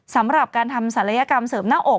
สำหรับการทำศัลยกรรมเสริมหน้าอก